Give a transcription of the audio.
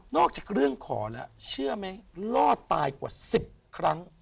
จากเรื่องขอแล้วเชื่อไหมรอดตายกว่า๑๐ครั้ง